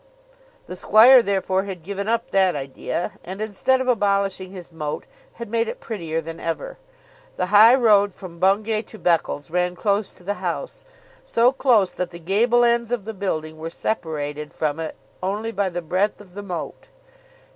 The squire, therefore, had given up that idea, and instead of abolishing his moat had made it prettier than ever. The high road from Bungay to Beccles ran close to the house, so close that the gable ends of the building were separated from it only by the breadth of the moat.